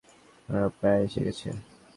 ওরা প্রায় এসে গেছে।